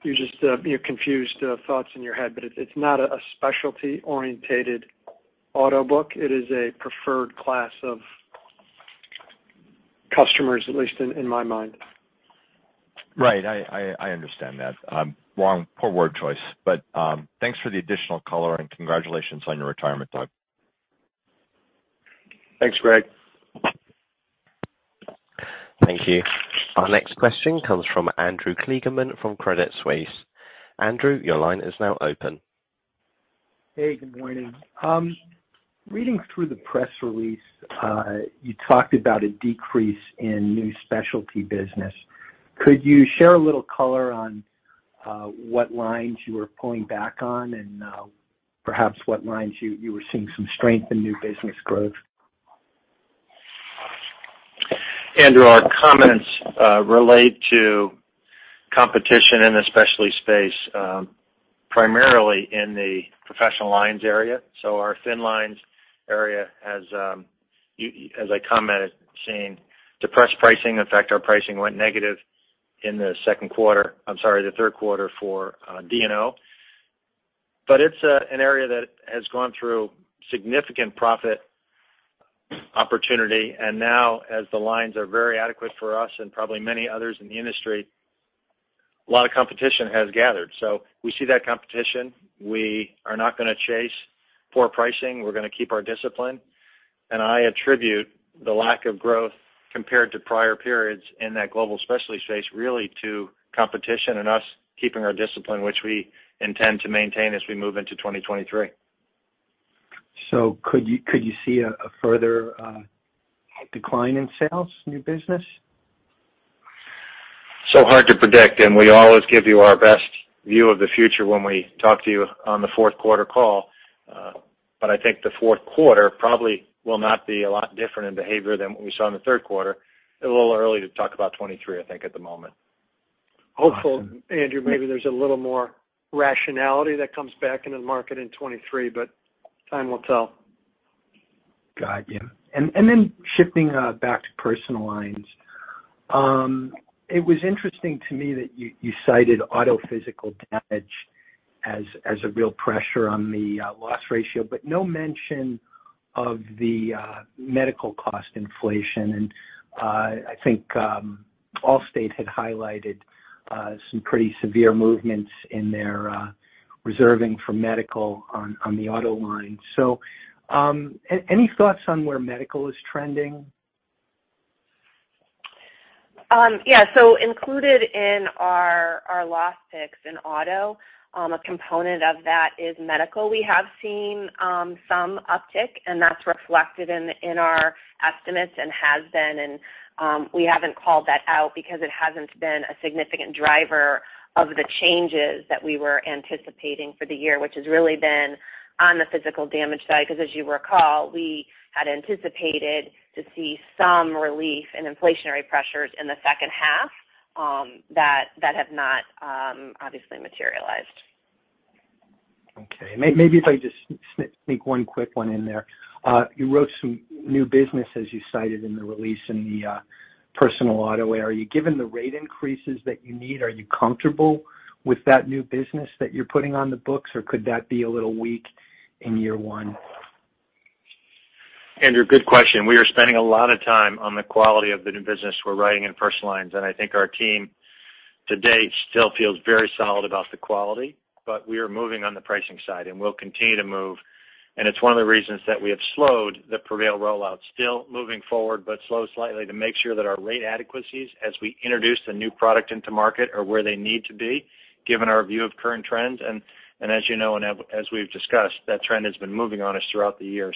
you're just, you know, confused thoughts in your head, but it's not a specialty-orientated auto book. It is a preferred class of customers, at least in my mind. Right. I understand that. Poor word choice. Thanks for the additional color and congratulations on your retirement, Doug. Thanks, Greg. Thank you. Our next question comes from Andrew Kligerman from Credit Suisse. Andrew, your line is now open. Hey, good morning. Reading through the press release, you talked about a decrease in new specialty business. Could you share a little color on what lines you were pulling back on and perhaps what lines you were seeing some strength in new business growth? Andrew, our comments relate to competition in the specialty space, primarily in the professional lines area. Our fin lines area has, as I commented, seen depressed pricing. In fact, our pricing went negative in the second quarter, I'm sorry, the third quarter for D&O. It's an area that has gone through significant profit opportunity. Now as the lines are very adequate for us and probably many others in the industry, a lot of competition has gathered. We see that competition. We are not gonna chase poor pricing. We're gonna keep our discipline. I attribute the lack of growth compared to prior periods in that global specialty space really to competition and us keeping our discipline, which we intend to maintain as we move into 2023. Could you see a further decline in sales, new business? Hard to predict, and we always give you our best view of the future when we talk to you on the fourth quarter call. I think the fourth quarter probably will not be a lot different in behavior than what we saw in the third quarter. A little early to talk about 2023, I think at the moment. Hopefully, Andrew, maybe there's a little more rationality that comes back into the market in 2023, but time will tell. Got you. Then shifting back to personal lines. It was interesting to me that you cited auto physical damage as a real pressure on the loss ratio, but no mention of the medical cost inflation. I think Allstate had highlighted some pretty severe movements in their reserving for medical on the auto line. Any thoughts on where medical is trending? Yeah. Included in our loss picks in auto, a component of that is medical. We have seen some uptick, and that's reflected in our estimates and has been. We haven't called that out because it hasn't been a significant driver of the changes that we were anticipating for the year, which has really been on the physical damage side. Because as you recall, we had anticipated to see some relief in inflationary pressures in the second half, that have not obviously materialized. Okay. Maybe if I just sneak one quick one in there. You wrote some new business as you cited in the release in the personal auto area. Given the rate increases that you need, are you comfortable with that new business that you're putting on the books, or could that be a little weak in year one? Andrew, good question. We are spending a lot of time on the quality of the new business we're writing in personal lines. I think our team to date still feels very solid about the quality, but we are moving on the pricing side, and we'll continue to move. It's one of the reasons that we have slowed the Prevail rollout, still moving forward, but slow slightly to make sure that our rate adequacies as we introduce the new product into market are where they need to be given our view of current trends. As you know, as we've discussed, that trend has been moving on us throughout the year.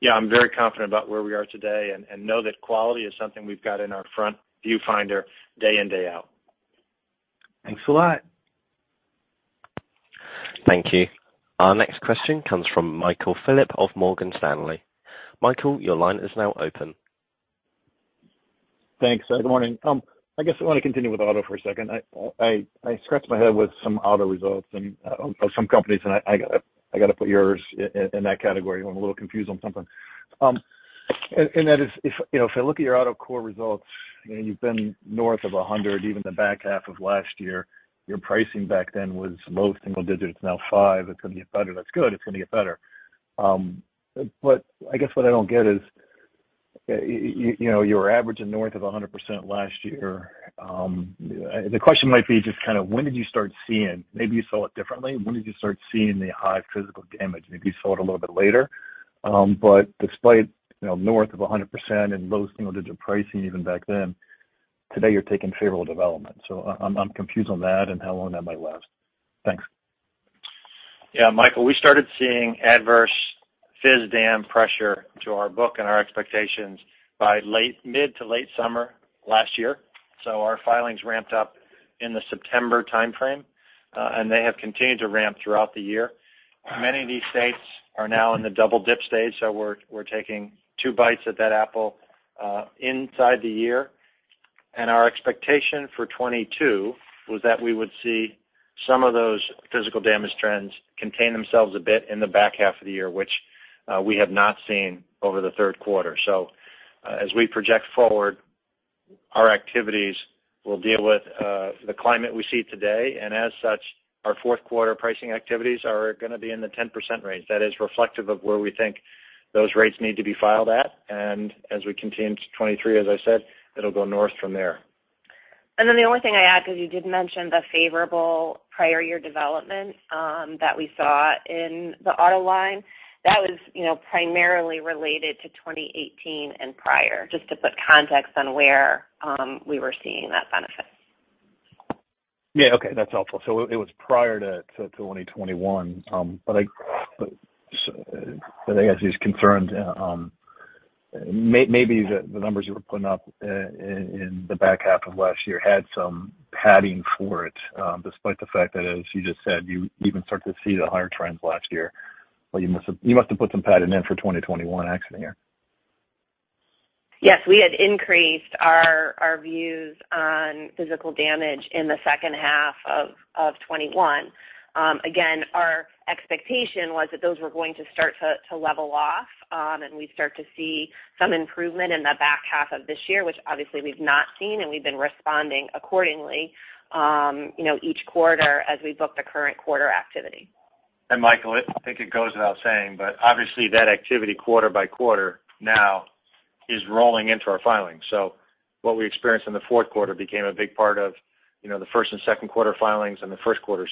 Yeah, I'm very confident about where we are today and know that quality is something we've got in our front viewfinder day in, day out. Thanks a lot. Thank you. Our next question comes from Michael Phillips of Morgan Stanley. Michael, your line is now open. Thanks. Good morning. I guess I want to continue with auto for a second. I scratched my head with some auto results and of some companies, and I gotta put yours in that category. I'm a little confused on something. That is if, you know, if I look at your auto core results, you know, you've been north of 100, even the back half of last year. Your pricing back then was low single digits, now five. It's gonna get better. That's good. It's gonna get better. I guess what I don't get is, you know, you were averaging north of 100% last year. The question might be just kind of when did you start seeing. Maybe you saw it differently. When did you start seeing the high physical damage? Maybe you saw it a little bit later. Despite, you know, north of 100% and low single digit pricing even back then, today you're taking favorable development. I'm confused on that and how long that might last. Thanks. Yeah, Michael, we started seeing adverse physical damage pressure to our book and our expectations by mid to late summer last year. Our filings ramped up in the September timeframe, and they have continued to ramp throughout the year. Many of these states are now in the double-dip stage, so we're taking two bites at that apple inside the year. Our expectation for 2022 was that we would see some of those physical damage trends contain themselves a bit in the back half of the year, which we have not seen over the third quarter. As we project forward, our activities will deal with the climate we see today, and as such, our fourth quarter pricing activities are gonna be in the 10% range. That is reflective of where we think those rates need to be filed at. As we continue into 2023, as I said, it'll go north from there. The only thing I'd add, 'cause you did mention the favorable prior year development, that we saw in the auto line, that was, you know, primarily related to 2018 and prior, just to put context on where we were seeing that benefit. Yeah. Okay, that's helpful. It was prior to 2021. I guess he's concerned maybe the numbers you were putting up in the back half of last year had some padding for it, despite the fact that, as you just said, you even started to see the higher trends last year. You must have put some padding in for 2021 accident year. Yes, we had increased our views on physical damage in the second half of 2021. Again, our expectation was that those were going to start to level off, and we'd start to see some improvement in the back half of this year, which obviously we've not seen, and we've been responding accordingly, you know, each quarter as we book the current quarter activity. Michael, I think it goes without saying, but obviously that activity quarter by quarter now is rolling into our filings. What we experienced in the fourth quarter became a big part of, you know, the first and second quarter filings in the first quarter.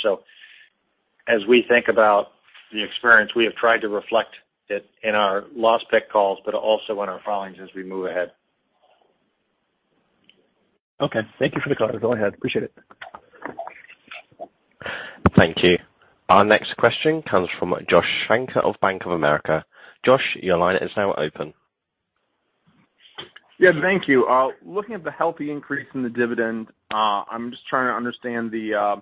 As we think about the experience, we have tried to reflect it in our loss pick calls, but also in our filings as we move ahead. Okay. Thank you for the color. Go ahead. Appreciate it. Thank you. Our next question comes from Josh Shanker of Bank of America. Josh, your line is now open. Yeah, thank you. Looking at the healthy increase in the dividend, I'm just trying to understand the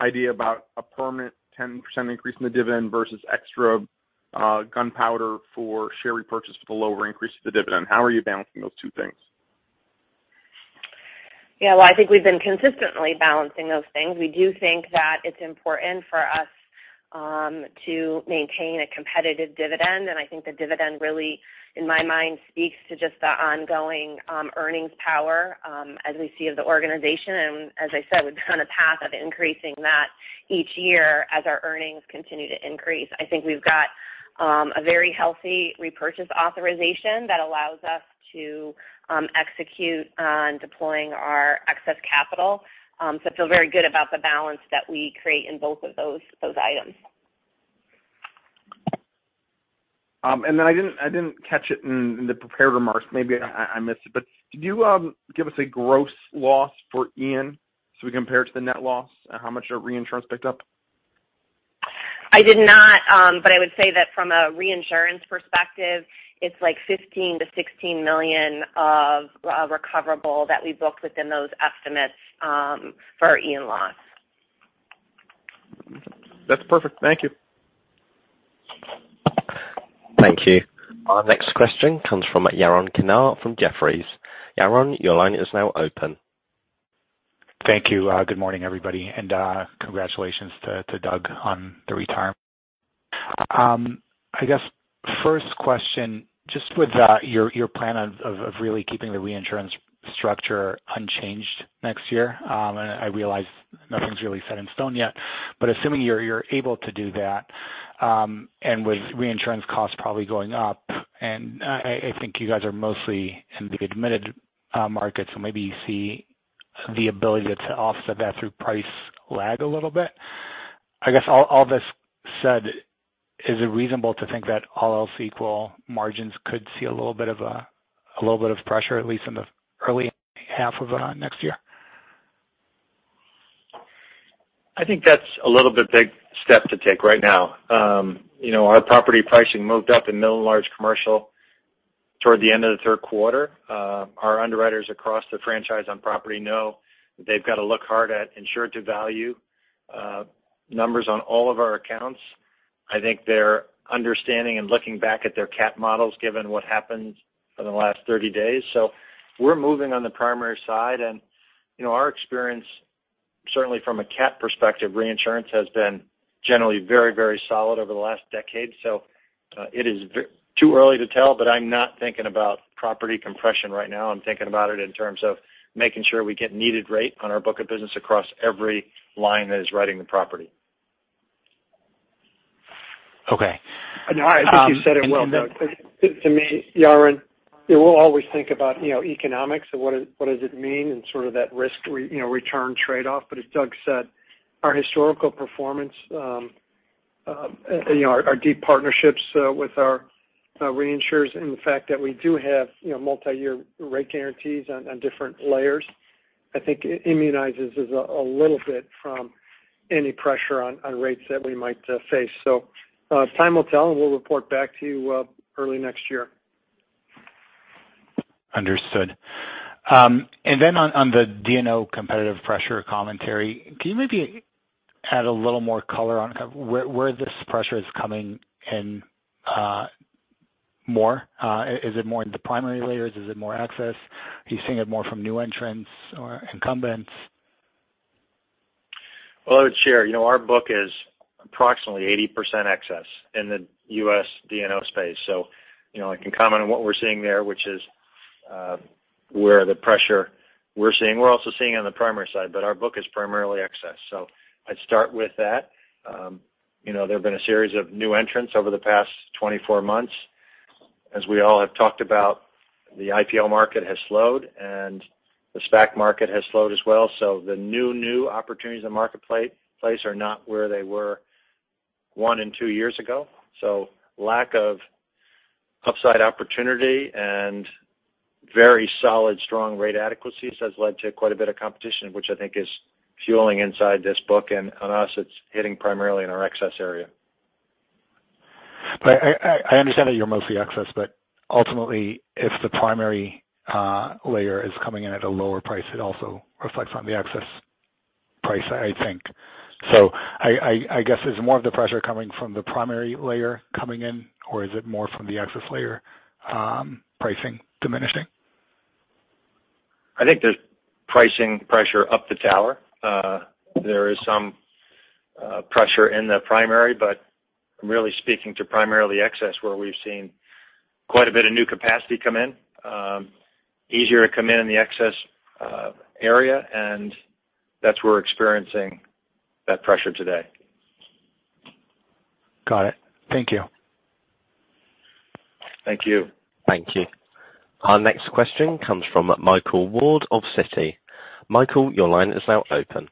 idea about a permanent 10% increase in the dividend versus extra dry powder for share repurchase with a lower increase to the dividend. How are you balancing those two things? Yeah. Well, I think we've been consistently balancing those things. We do think that it's important for us to maintain a competitive dividend. I think the dividend really, in my mind, speaks to just the ongoing earnings power as we see of the organization. As I said, we've been on a path of increasing that each year as our earnings continue to increase. I think we've got a very healthy repurchase authorization that allows us to execute on deploying our excess capital. I feel very good about the balance that we create in both of those items. I didn't catch it in the prepared remarks. Maybe I missed it. Could you give us a gross loss for Ian so we compare it to the net loss? How much our reinsurance picked up? I did not. I would say that from a reinsurance perspective, it's like $15-$16 million of recoverable that we booked within those estimates, for Ian loss. That's perfect. Thank you. Thank you. Our next question comes from Yaron Kinar from Jefferies. Yaron, your line is now open. Thank you. Good morning, everybody, and congratulations to Doug on the retirement. I guess first question, just with your plan of really keeping the reinsurance structure unchanged next year, and I realize nothing's really set in stone yet. Assuming you're able to do that, and with reinsurance costs probably going up, and I think you guys are mostly in the admitted market, so maybe you see the ability to offset that through price lag a little bit. I guess all this said, is it reasonable to think that all else equal, margins could see a little bit of pressure, at least in the early half of next year? I think that's a little bit big step to take right now. You know, our property pricing moved up in middle and large commercial toward the end of the third quarter. Our underwriters across the franchise on property know that they've got to look hard at insured to value numbers on all of our accounts. I think they're understanding and looking back at their cat models, given what happened in the last 30 days. We're moving on the primary side. You know, our experience, certainly from a cat perspective, reinsurance has been generally very, very solid over the last decade. It is too early to tell, but I'm not thinking about property compression right now. I'm thinking about it in terms of making sure we get needed rate on our book of business across every line that is writing the property. Okay. I think you said it well, Doug. To me, Yaron, we'll always think about, you know, economics and what does it mean in sort of that risk, you know, return trade-off. As Doug said, our historical performance, you know, our deep partnerships with our reinsurers and the fact that we do have, you know, multi-year rate guarantees on different layers, I think immunizes us a little bit from any pressure on rates that we might face. Time will tell, and we'll report back to you early next year. Understood. On the D&O competitive pressure commentary, can you maybe add a little more color on where this pressure is coming in more? Is it more in the primary layers? Is it more excess? Are you seeing it more from new entrants or incumbents? Well, I would share, you know, our book is approximately 80% excess in the U.S. D&O space. You know, I can comment on what we're seeing there, which is where the pressure we're seeing. We're also seeing on the primary side, but our book is primarily excess. I'd start with that. You know, there have been a series of new entrants over the past 24 months. As we all have talked about, the IPO market has slowed and the SPAC market has slowed as well. The new opportunities in the marketplace are not where they were one and two years ago. Lack of upside opportunity and very solid, strong rate adequacies has led to quite a bit of competition, which I think is fueling inside this book. On us, it's hitting primarily in our excess area. I understand that you're mostly excess, but ultimately, if the primary layer is coming in at a lower price, it also reflects on the excess price, I think. I guess, is more of the pressure coming from the primary layer coming in, or is it more from the excess layer pricing diminishing? I think there's pricing pressure up the tower. There is some pressure in the primary, but I'm really speaking to primarily excess, where we've seen quite a bit of new capacity come in. Easier to come in in the excess area, and that's where we're experiencing that pressure today. Got it. Thank you. Thank you. Thank you. Our next question comes from Michael Ward of Citi. Michael, your line is now open.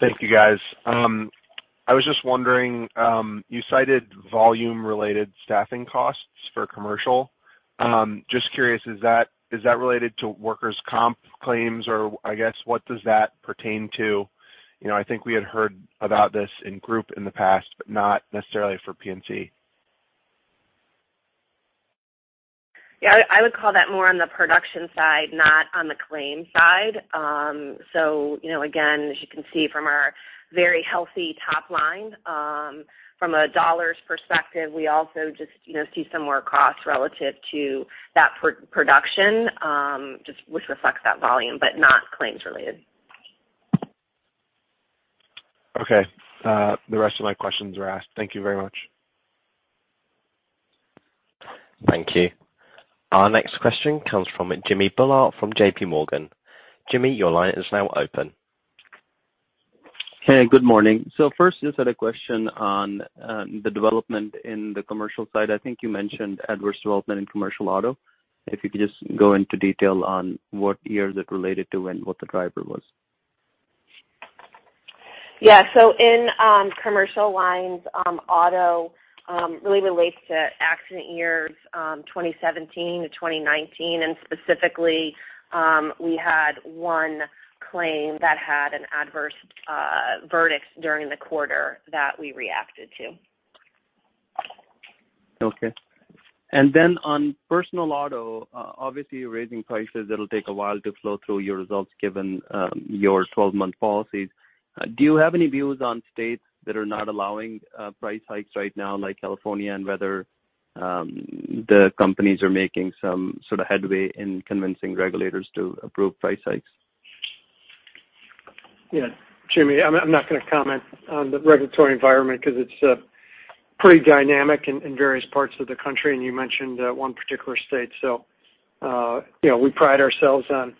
Thank you, guys. I was just wondering, you cited volume-related staffing costs for commercial. Just curious, is that related to workers' comp claims? Or I guess, what does that pertain to? You know, I think we had heard about this in group in the past, but not necessarily for P&C. Yeah, I would call that more on the production side, not on the claim side. You know, again, as you can see from our very healthy top line, from a dollars perspective, we also just, you know, see some more costs relative to that per production, just which reflects that volume, but not claims related. Okay, the rest of my questions are asked. Thank you very much. Thank you. Our next question comes from Jimmy Bhullar from JPMorgan. Jimmy, your line is now open. Hey, good morning. First, just had a question on the development in the commercial side. I think you mentioned adverse development in commercial auto. If you could just go into detail on what year is it related to and what the driver was? Yeah. In commercial lines, auto really relates to accident years 2017-2019. Specifically, we had one claim that had an adverse verdict during the quarter that we reacted to. Okay. On personal auto, obviously, you're raising prices, it'll take a while to flow through your results given your 12-month policies. Do you have any views on states that are not allowing price hikes right now, like California, and whether the companies are making some sort of headway in convincing regulators to approve price hikes? Yeah. Jimmy, I'm not gonna comment on the regulatory environment because it's pretty dynamic in various parts of the country, and you mentioned one particular state. You know, we pride ourselves on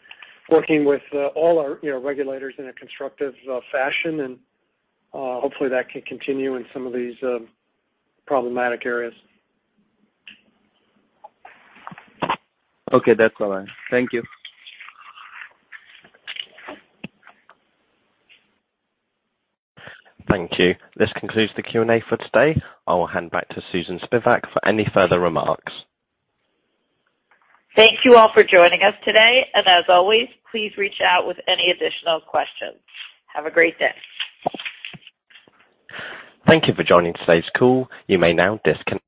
working with all our regulators in a constructive fashion. Hopefully that can continue in some of these problematic areas. Okay, that's all I have. Thank you. Thank you. This concludes the Q&A for today. I will hand back to Susan Spivak for any further remarks. Thank you all for joining us today. As always, please reach out with any additional questions. Have a great day. Thank you for joining today's call. You may now disconnect.